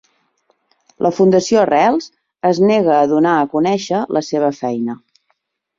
La fundació Arrels es nega a donar a conèixer la seva feina